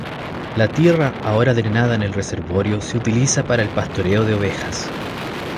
La tierra ahora drenada en el reservorio se utiliza para el pastoreo de ovejas.